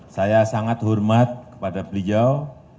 saya sangat hormat kepada beliau